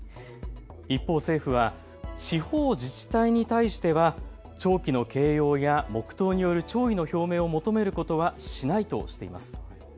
一方、政府は地方自治体に対しては弔旗の掲揚や黙とうによる弔意の表明を求めることはしないとしています。